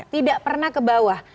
tidak pernah ke bawah